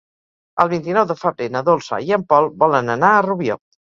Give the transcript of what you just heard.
El vint-i-nou de febrer na Dolça i en Pol volen anar a Rubió.